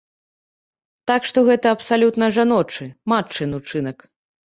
Так што гэта абсалютна жаночы, матчын учынак.